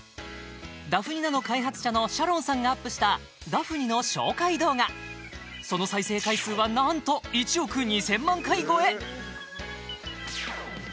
ダフニｎａｎｏ開発者のシャロンさんがアップしたダフニの紹介動画その再生回数はなんと見てください！